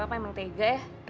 papa emang tega ya